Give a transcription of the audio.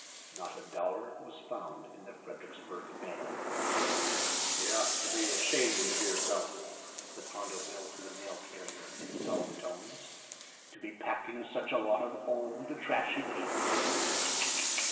Not a dollar was found in the Fredericksburg mail. "You ought to be ashamed of yourself," said Hondo Bill to the mail carrier in solemn tones, "to be packing around such a lot of old, trashy paper as this.